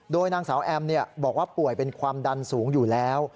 โดยนางสาวแอมบอกว่าป่วยเป็นความดันสูงอยู่แล้ว